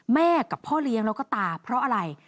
แม่กับพ่อเลี้ยงแล้วก็ตาเพราะอะไร